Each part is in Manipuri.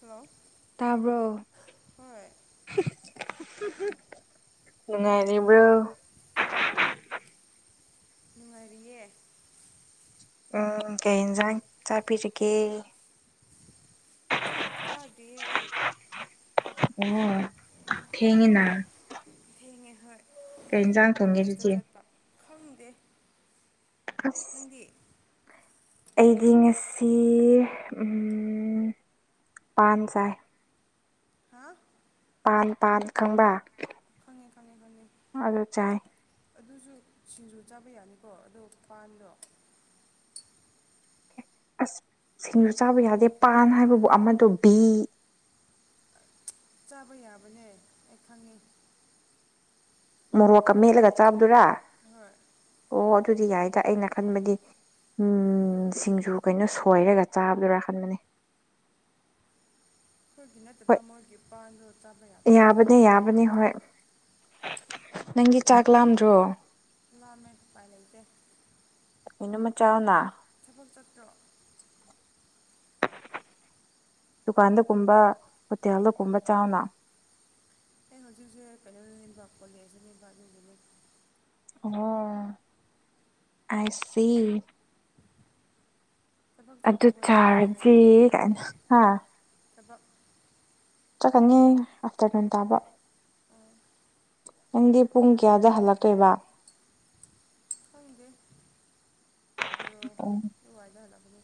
ꯍꯜꯂꯣ ꯇꯥꯕ꯭ꯔꯣ ꯍꯣꯏ ꯅꯨꯡꯉꯥꯏꯔꯤꯕ꯭ꯔꯣ ꯅꯨꯡꯉꯥꯏꯔꯤꯌꯦ ꯎꯝ ꯀꯩ ꯌꯦꯟꯖꯥꯡ ꯆꯥꯕꯤꯔꯤꯒꯦ ꯆꯥꯛ ꯆꯥꯗ꯭ꯔꯤꯌ‌ꯦ ꯑꯩ ꯑꯣ ꯊꯦꯡꯅ ꯊꯦꯡꯉꯦ ꯍꯣꯏ ꯏꯟꯖꯥꯡ ꯊꯣꯡꯒꯦ ꯀꯣꯂꯦꯖꯇ ꯑꯗꯨꯗꯤ ꯆꯠꯄ ꯈꯪꯗꯦ ꯑꯁ ꯅꯪꯗꯤ ꯑꯩꯗꯤ ꯉꯁꯤ ꯎꯝ ꯄꯥꯟ ꯆꯥꯏ ꯍꯥꯥ ꯄꯥꯟ ꯄꯥꯟ ꯈꯪꯕ ꯈꯪꯉꯦ ꯈꯪꯉꯦ ꯈꯪꯉꯦ ꯑꯗꯥ ꯆꯥꯏ ꯑꯗꯨꯁꯨ ꯁꯤꯡꯖꯨ ꯆꯥꯕ ꯌꯥꯅꯤꯀꯣ ꯑꯗꯣ ꯄꯥꯟꯗꯣ ꯑꯁ ꯁꯤꯡꯖꯨ ꯆꯥꯕ ꯌꯥꯗꯦ ꯄꯥꯟ ꯍꯥꯏꯕꯕꯨ ꯑꯃꯗꯣ ꯕꯤ ꯆꯥꯕ ꯌꯥꯕꯅꯦ ꯑꯩ ꯈꯪꯉꯤ ꯃꯣꯔꯣꯛꯀ ꯃꯦꯠꯂꯒ ꯆꯥꯕꯗꯨꯔꯥ ꯍꯣꯏ ꯑꯣ ꯑꯗꯨꯗꯤ ꯌꯥꯏꯗ ꯑꯩꯅ ꯈꯟꯕꯗꯤ ꯎꯝ ꯁꯤꯡꯖꯨ ꯀꯩꯅꯣ ꯁꯣꯏꯔꯒ ꯆꯥꯕꯔꯥꯍꯟꯕꯅꯦ ꯑꯩꯈꯣꯏꯒꯤ ꯍꯣꯏ ꯅꯠꯇꯕ ꯃꯣꯏꯒꯤ ꯄꯥꯟꯗꯣ ꯌꯥꯕꯅꯦ ꯌꯥꯕꯅꯦ ꯍꯣꯏ ꯅꯪꯒꯤ ꯆꯥꯛ ꯂꯥꯝꯗ꯭ꯔꯣ ꯆꯥꯂꯃ‌ꯦ ꯑ‌ꯨꯄꯥꯏ ꯂꯩꯇꯦ ꯃꯤꯅꯨ‌‌ ꯃꯆꯥꯎꯅ ꯊꯕꯛ ꯆꯠꯇ꯭ꯔꯣ ꯗꯨꯀꯥꯟꯗꯒꯨꯝꯕ ꯍꯣꯇꯦꯜꯗꯒꯨꯝꯕ ꯆꯥꯎꯅ ꯑꯩꯅ ꯍꯧꯖꯤꯛꯁ‌ꯦ ꯀꯩꯅꯣꯗꯅ‌ꯦꯕ ꯀꯣꯂ‍ꯦꯖꯅ‌ꯦꯕ ꯑꯗꯨꯒꯤꯅ‍ꯦ ꯑꯣꯍ‌ꯣ ꯑꯥꯏ ꯁꯤ ꯊꯕꯛ ꯑꯗꯨ ꯆꯠꯇ꯭ꯔꯕꯣ ꯅꯪꯗꯤ ꯆꯥꯔꯖꯤ ꯀꯥꯏꯅ‌ ꯍꯥ ꯊꯕꯥꯛ ꯆꯠꯀꯅꯤ ꯑꯥꯐꯇꯔꯅꯨꯟ ꯇꯥꯕ ꯅꯪꯗꯤ ꯄꯨꯡ ꯀꯌꯥꯗ ꯍꯜꯂꯛꯇꯣꯏꯕ ꯈꯪꯗꯦ ꯕꯥꯔ‌ꯣ ꯑꯣ ꯑꯗꯨꯋꯥꯏꯗ‌ ꯍꯂꯛꯀꯅꯤ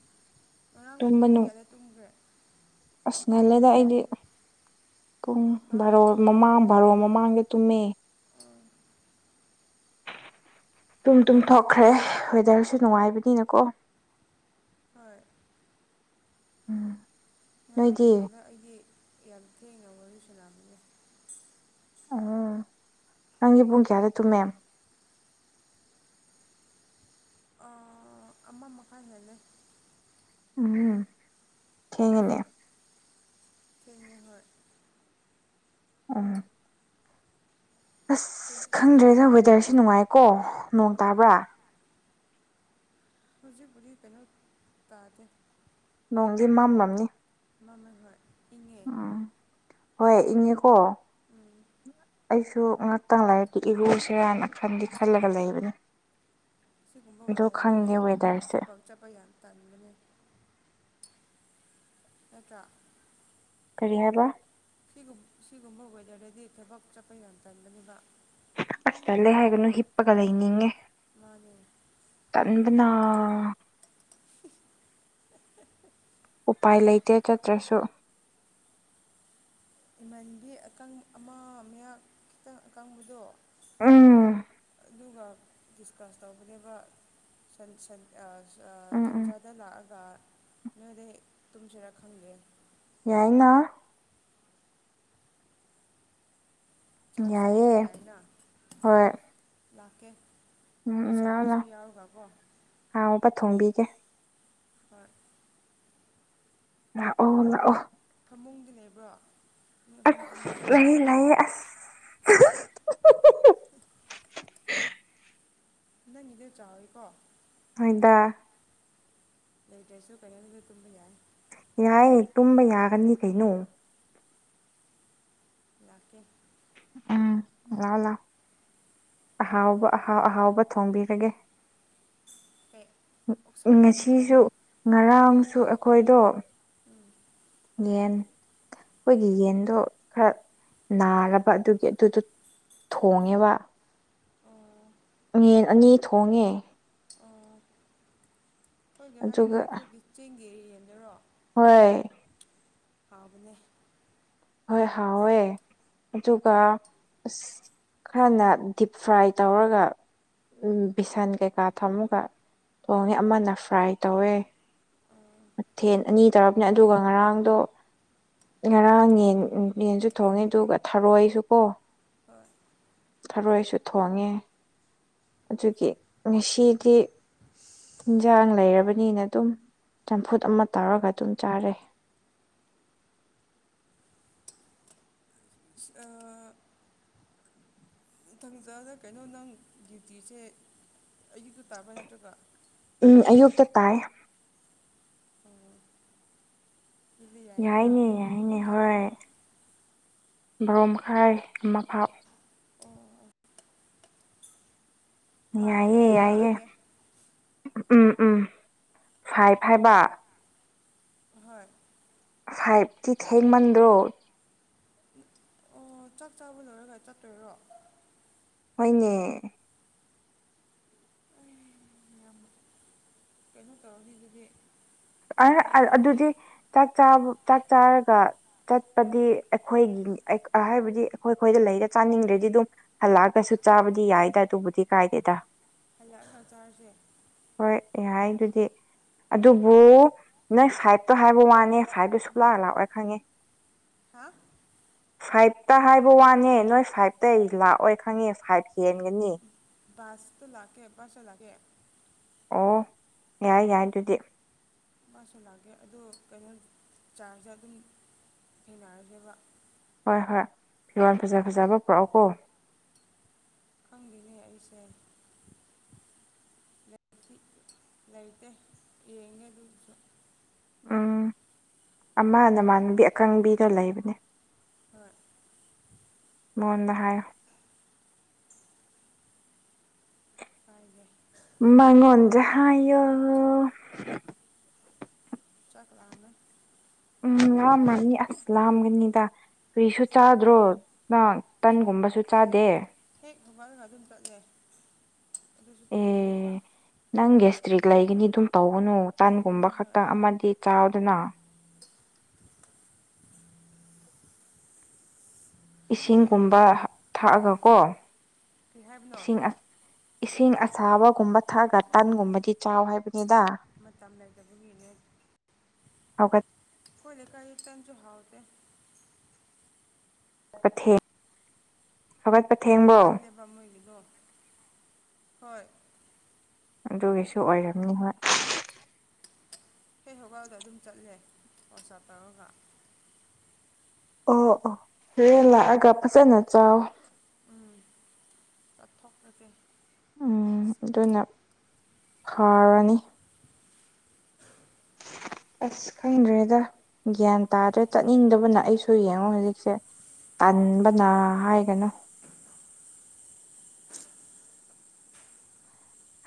ꯉꯔꯥꯡ ꯇꯨꯝꯕ ꯄꯨꯡ ꯅꯨꯡ ꯀꯌꯥꯗ ꯇꯨꯝꯈ꯭ꯔꯦ ꯑꯁ ꯉꯟꯂꯦꯗ ꯑꯩꯗꯤ ꯄꯨꯡ ꯍꯥ ꯕꯥꯔꯣ ꯃꯃꯥꯡ ꯚꯥꯔꯣ ꯃꯃꯥꯡꯗ ꯇꯨꯝꯃꯦ ꯑꯣ ꯇꯨꯝ ꯇꯨꯝ ꯌꯥꯝ ꯊꯣꯛꯣꯛꯈ꯭ꯔꯦ ꯋꯦꯗꯔꯁꯨ ꯅꯨꯡꯉꯥꯏꯕꯅꯤꯅꯀꯣ ꯍꯣꯏ ꯎꯝ ꯑꯉꯥꯡ ꯅꯣꯏꯗꯤ ꯅꯨꯡꯉꯅ ꯑꯩꯒꯤ ꯌꯥꯝ ꯊꯦꯡꯅ ꯋꯥꯔꯤ ꯁꯟꯅꯕꯅ‌ꯦ ꯎ ꯅꯪꯒꯤ ꯄꯨꯡ ꯀꯌꯥꯗ ꯇꯨꯝꯃꯦ ꯑꯥ ꯑꯃ ꯃꯈꯥ ꯍꯦꯜꯂꯦ ꯎꯝ ꯊ‌ꯦꯡꯉ‌ꯦꯅꯦ ꯐꯦꯡꯅꯤꯍꯔ ꯎꯝ ꯑꯁ ꯊꯦꯡ ꯈꯪꯗ꯭ꯔꯦꯗ ꯋꯦꯗꯔꯁꯤ ꯅꯨꯡꯉꯥꯏꯀꯣ ꯅꯣꯡ ꯅꯨꯡꯉꯥꯏꯌꯦ ꯇꯥꯕ꯭ꯔꯥ ꯄꯨꯂꯤ ꯀꯩꯅꯣ ꯇꯥꯗꯦ ꯅꯣꯡꯒꯤ ꯃꯝꯂꯝꯅꯤ ꯃꯥꯅ ꯍꯣꯏ ꯏꯪꯉꯦ ꯎꯝ ꯍꯣꯏ ꯏꯪꯉꯦꯀꯣ ꯎꯝ ꯑꯩꯁꯨ ꯉꯥꯛꯇꯪ ꯂꯥꯏꯛꯀꯤ ꯏꯔꯨ ꯁꯤꯔꯅ ꯈꯟꯗꯤ ꯈꯜꯂꯒ ꯂꯩꯕꯅꯤ ꯏꯃꯧ ꯂꯧꯏꯗꯕꯁ‌ꯦ ꯋꯦꯗꯔꯁꯦ ꯊꯕꯛ ꯆꯠꯄ ꯌꯥꯝ ꯇꯟꯕꯅꯤ ꯇꯠꯇ ꯀꯔꯤ ꯍꯥꯏꯕ ꯁꯤꯒꯨꯝ ꯁꯤꯒꯨꯝꯕ ꯋꯦꯗꯔꯗꯗꯤ ꯊꯕꯛ ꯆꯠꯄ ꯌꯥꯝ ꯇꯟꯗꯅꯦꯕ ꯀ ꯆꯠꯂꯦ ꯍꯥꯏꯒꯅꯨ ꯍꯤꯞꯄꯒ ꯂꯩꯅꯤꯡꯉꯦ ꯃꯥꯅꯦ ꯇꯟꯕꯅꯥ [unintelligible] ꯎꯄꯥꯏ ꯂꯩꯇꯦ ꯆꯠꯇ꯭ꯔꯁꯨ ꯏꯃꯟꯕꯤ ꯑꯀꯪ ꯑꯃ ꯃꯌꯥ ꯈꯤꯇꯪ ꯑꯀꯪꯕꯗꯣ ꯎꯝ ꯑꯗꯨꯒ ꯗꯤꯁꯀꯁ ꯇꯧꯕꯅꯦꯅꯕ ꯁꯟ ꯁꯟ ꯎꯝ ꯎꯝ ꯊꯖꯟ ꯗ ꯂꯥꯛꯑꯒ ꯅꯣꯏꯗ ꯍꯦꯛ ꯇꯨꯝꯁꯤꯔ ꯈꯪꯗ‌ꯦ ꯌꯥꯏꯅꯥ ꯆꯥꯔꯁ ꯆꯠꯄꯁꯨ ꯌꯥꯏꯌꯦ ꯌꯥꯏꯅ ꯍꯣꯏ ꯂꯥꯛꯀꯦ ꯎꯝ ꯎꯝ [unintelligible] ꯂꯥꯛꯑꯣ ꯁꯥꯔꯕꯤꯁ ꯁꯨ ꯂꯥꯛꯑꯣ ꯌꯥꯎꯔꯒ ꯀꯣ ꯍꯥꯎꯕ ꯊꯣꯡꯕꯤꯒꯦ ꯍꯣꯏ ꯂꯥꯛꯑꯣ ꯂꯥꯛꯑꯣ ꯐꯃꯨꯡꯗꯤ ꯂꯩꯕ꯭ꯔꯣ ꯃꯤ ꯑꯍꯨꯨꯝ ꯇꯨꯝꯅꯤꯡꯉꯥꯏ ꯂꯩꯌ‌ꯦ ꯑꯁ [unintelligible] ꯅꯪꯒꯤꯗꯨꯟ ꯆꯥꯎꯋꯦꯀꯣ ꯍ‌ꯣꯏꯗꯥ ꯂꯩꯇ꯭ꯔꯦꯁꯨ ꯀꯩꯅꯣꯒꯤꯗ ꯇꯨꯝꯕ ꯌꯥꯏ ꯌꯥꯏꯌꯦ ꯇꯨꯝꯕ ꯌꯥꯒꯅꯤ ꯀꯩꯅꯣ ꯌꯂꯥꯛꯀꯦ ꯎꯝ ꯂꯥꯛꯑ‌ꯣ ꯂꯥ‌ꯎ ꯑꯍꯥꯎꯕ ꯑꯍꯥꯎ ꯑꯍꯥꯎꯕ ꯊꯣꯡꯕꯤꯔꯒꯦ ꯀꯩ ꯑꯣꯛꯁꯥ ꯊꯣꯡꯕꯤꯔꯣ ꯉꯁꯤꯁꯨ ꯉꯔꯥꯡꯁꯨ ꯑꯩꯈꯣꯏꯗꯣ ꯎꯝ ꯌꯦꯟ ꯑꯩꯈꯣꯏꯒꯤ ꯌꯦꯟꯗꯣ ꯈꯔ ꯅꯥꯔꯕ ꯑꯗꯨꯒꯤ ꯑꯗꯨꯗꯣ ꯊꯣꯡꯉꯦꯕ ꯑꯣ ꯌ‌ꯦꯟ ꯑꯅꯤ ꯊꯣꯡꯉꯦ ꯎꯝ ꯑꯩꯈꯣꯏꯒꯤ ꯍꯥꯏꯁꯦ ꯑꯗꯨꯒ ꯑꯩꯈꯣꯏꯒꯤ ꯆꯦꯡꯒꯤ ꯌꯦꯗꯨꯔꯣ ꯍꯣꯏ ꯍꯥꯎꯕꯅꯦ ꯍꯣꯏ ꯍꯥꯎꯋꯦ ꯑꯗꯨꯒꯥ ꯎꯁ ꯈꯔꯅ ꯗꯤꯞ ꯐ꯭ꯔꯥꯏ ꯇꯧꯔꯒ ꯎꯝ ꯕꯤꯁꯟ ꯀꯩꯀꯥ ꯊꯝꯃꯒ ꯊꯣꯡꯉꯦ ꯑꯃꯅ ꯐ꯭ꯔꯥꯏ ꯇꯧꯋꯦ ꯑꯣ ꯃꯊꯦꯜ ꯑꯅꯤ ꯇꯧꯔꯕꯅꯦ ꯑꯗꯨꯒ ꯉꯔꯥꯡꯗꯣ ꯉꯔꯥꯡ ꯌꯦꯟ ꯎꯝ ꯌꯦꯟꯁꯨ ꯊꯣꯡꯉꯦ ꯑꯗꯨꯒ ꯊꯥꯔꯣꯏꯁꯨ ꯀꯣ ꯍꯣꯏ ꯊꯔꯣꯏꯁꯨ ꯊꯣꯡꯉꯦ ꯑꯗꯨꯒꯤ ꯉꯁꯤꯗꯤ ꯏꯤꯟꯖꯥꯡ ꯂꯩꯔꯕꯅꯤꯅ ꯑꯗꯨꯝ ꯆꯝꯐꯨꯠ ꯑꯃ ꯇꯧꯔꯒ ꯑꯗꯨꯝ ꯆꯥꯔꯦ ꯑ ꯏꯊꯪꯖꯗ ꯀꯩꯅꯣ ꯅꯪ ꯗ꯭ꯌꯨꯇꯤꯁꯦ ꯑꯌꯨꯛꯇ ꯇꯥꯕ ꯅꯠꯇ꯭ꯔꯒ ꯎꯝ ꯑꯌꯨꯛꯇ ꯇꯥꯏ ꯎꯝ ꯌꯥꯏꯅꯦ ꯌꯥꯏꯅꯦ ꯄꯨꯡ ꯀꯌꯥ ꯍꯣꯏ ꯐꯥꯎꯅꯣ ꯕꯥꯔꯣ ꯃꯈꯥꯏ ꯑꯃ ꯐꯥꯎ ꯑꯣ ꯑꯣ ꯕꯥꯏꯁꯤꯗ ꯌꯥꯏꯑꯦ ꯑꯗꯨꯝ ꯌꯥꯏꯌꯦ ꯂꯥꯛꯑꯒꯦ ꯎꯝ ꯎꯝ ꯐꯩ ꯐꯥꯏꯕ ꯍꯣꯏ ꯐꯥꯏꯚꯇꯤ ꯊꯦꯡꯃꯟꯗ꯭ꯔꯣ ꯑꯣ ꯆꯥꯛ ꯆꯥꯕ ꯂꯣꯏꯔꯒ ꯆꯠꯇꯣꯏꯔꯣ ꯍꯣꯏꯅꯦ ꯌꯥꯝ ꯀꯩꯅꯣ ꯇꯧꯔꯝꯅꯤ ꯑꯗꯨꯗꯤ ꯆꯥꯛ ꯑꯥꯏꯁ ꯂꯥꯝꯃꯅꯤ ꯑꯗꯨꯗꯤ ꯆꯥꯛꯕ ꯆꯥꯛ ꯆꯥꯔꯒ ꯆꯠꯄꯗꯤ ꯑꯩꯈꯣꯏꯒꯤ ꯑꯥ ꯍꯥꯏꯕꯗꯤ ꯑꯩꯈꯣꯏ ꯑꯩꯈꯣꯏꯗ ꯂꯩꯔ ꯆꯥꯅꯤꯡꯗ꯭ꯔꯗꯤ ꯑꯗꯨꯝ ꯍꯜꯂꯛꯑꯒꯁꯨ ꯆꯥꯕꯗꯤ ꯌꯥꯏꯗ ꯑꯗꯨꯕꯨꯗꯤ ꯀꯥꯏꯗꯦꯗ ꯍꯜꯂꯛꯑꯒꯥ ꯆꯥꯔꯁꯦ ꯍꯣꯏ ꯌꯥꯏ ꯑꯗꯨꯗꯤ ꯑꯗꯨ ꯕꯨ ꯅꯣꯏ ꯐꯥꯏꯚꯇꯣ ꯍꯥꯏꯕ ꯋꯥꯅꯦ ꯐꯥꯏꯚꯇꯣ ꯁꯨꯛꯂꯥꯛ ꯂꯥꯛꯑꯣꯏ ꯈꯪꯉꯦ ꯍꯥꯥ ꯐꯥꯏꯚꯇ ꯍꯥꯏꯕ ꯋꯥꯅꯦ ꯅꯣꯏ ꯐꯥꯏꯚꯇ ꯑꯩ ꯂꯥꯛꯑꯣꯏ ꯈꯪꯉꯦ ꯐꯥꯏꯚ ꯍꯦꯟꯒꯅꯤ ꯕꯥꯁꯇ ꯂꯥꯛꯀꯦ ꯕꯥꯁꯇ ꯂꯥꯛꯀꯦ ꯑꯣ ꯌꯥꯏ ꯌꯥꯏ ꯑꯗꯨꯗꯤ ꯃꯥꯁꯨ ꯂꯥꯛꯀꯦ ꯑꯗꯣ ꯀꯩꯅꯣ ꯆꯥꯔꯖꯦ ꯑꯗꯨꯝ ꯊꯦꯡꯅꯔꯁꯦꯕ ꯍꯣꯏ ꯍꯣꯏ ꯐꯤꯔꯣꯜ ꯐꯖ ꯐꯖꯕ ꯄꯨꯔꯛꯑꯣꯀꯣ ꯈꯪꯗꯦꯅꯦ ꯑꯩꯁꯦ ꯂꯩꯥꯏꯇꯦ ꯌꯦꯡꯉꯦ ꯑꯗꯨ ꯎꯝ ꯑꯃ ꯅꯃꯥꯟꯅꯕꯤ ꯑꯀꯪꯕꯤꯗ ꯂꯩꯕꯅꯦ ꯍꯣꯏ ꯃꯣꯟꯗ ꯍꯥꯏꯌꯣ [unintelligible] ꯃꯣꯟꯖꯌꯦ ꯆꯀꯂꯥꯡꯅ ꯎꯝ ꯑ ꯃꯥꯅꯤ ꯑꯁ ꯂ ꯑꯃꯒꯅꯤꯗ ꯀꯔꯤꯁꯨ ꯆꯥꯗ꯭ꯔꯣ ꯅꯪ ꯇꯟꯒꯨꯝꯕꯁꯨ ꯆꯥꯗꯦ ꯍꯦꯛ ꯈꯕꯥꯜꯒ ꯑꯗꯨꯝ ꯆꯠꯂꯦ ꯑꯗꯨꯁꯨ ꯊꯦꯡꯉꯦꯕ ꯑꯦ ꯅꯪ ꯒꯦꯁꯇ꯭ꯔꯤꯛ ꯂꯩꯒꯅꯤ ꯑꯗꯨꯝ ꯇꯧꯒꯅꯨ ꯇꯟꯒꯨꯝꯕ ꯂꯩꯒꯅꯤ ꯍꯣꯏ ꯈꯛꯇ ꯑꯃꯗꯤ ꯆꯥꯎꯗꯅ ꯏꯁꯤꯡꯒꯨꯝꯕ ꯊꯛꯑꯒꯀꯣ ꯀꯔꯤ ꯍꯥꯏꯕꯅꯣ ꯏꯁꯤꯡ ꯑ ꯏꯁꯤꯡ ꯑꯁꯥꯕꯒꯨꯝꯕ ꯊꯛꯑꯒ ꯇꯟꯒꯨꯝꯕꯗꯤ ꯆꯥꯎ ꯍꯥꯏꯕꯅꯤꯗ ꯃꯇꯝ ꯂꯩꯇꯥꯕꯒꯤꯅꯦ [unintelligible] ꯑꯈꯣꯏ ꯂꯩꯀꯥꯏꯒꯤ ꯇꯟꯁꯨ ꯍꯥꯥꯎꯇꯦ ꯀꯊꯦꯡ ꯌꯥꯝ ꯀꯜꯂꯦꯕ ꯃꯣꯏꯒꯤꯗꯣ ꯍꯣꯏ ꯑꯗꯨꯒꯤꯁꯨ ꯑꯣꯏꯔꯝꯅꯤ ꯍꯣꯏ ꯍꯩ ꯍꯧꯒꯥꯥꯎꯗ ꯑꯗꯨꯝ ꯆꯠꯂꯦ ꯋꯥꯆꯞ ꯇꯧꯔꯒ ꯑꯣ ꯑꯣ ꯍꯣꯔꯦꯟ ꯂꯥꯛꯑꯒ ꯐꯖꯅ ꯆꯥꯎ ꯎꯝ ꯆꯠ ꯊꯛ ꯊꯒꯦ ꯎꯝ ꯑꯗꯨꯅ ꯐꯔꯅꯤ ꯑꯁ ꯈꯪꯗ꯭ꯔꯦꯗ ꯒ꯭ꯌꯥꯟ ꯇꯥꯗ꯭ꯔꯦ ꯆꯠꯅꯤꯡꯗꯕꯅ ꯑꯩꯁꯨ ꯌꯦꯡꯉꯣ ꯍꯧꯖꯤꯛꯁꯦ ꯇꯟꯕꯅ ꯍꯥꯏꯒꯅꯨ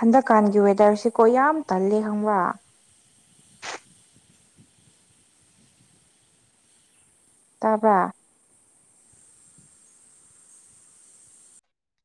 ꯍꯟꯗꯛꯀꯥꯟꯒꯤ ꯋꯦꯗꯔꯁꯤꯀꯣ ꯌꯥꯝ ꯇꯜꯂꯦ ꯈꯪꯕ꯭ꯔ ꯇꯥꯕ꯭ꯔꯥ